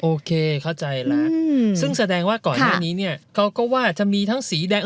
โอเคเข้าใจแล้วซึ่งแสดงว่าก่อนหน้านี้เนี่ยเขาก็ว่าจะมีทั้งสีแดง